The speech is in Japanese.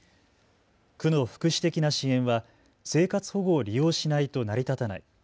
区の福祉的な支援は生活保護を利用しないと成り立たない。